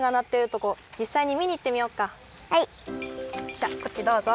じゃあこっちどうぞ。